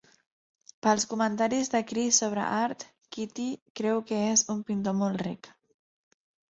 Pels comentaris de Chris sobre art, Kitty creu que és un pintor molt ric.